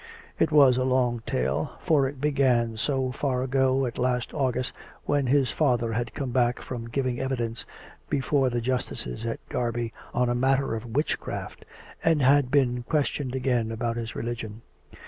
It was a long tale, for it began as far ago as last August, when his father had come back from giving evidence be fore the justices at Derby on a matter of witchcraft, and had been questioned again about his religion.